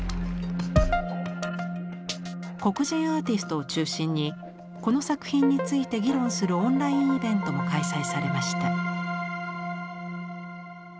黒人アーティストを中心にこの作品について議論するオンラインイベントも開催されました。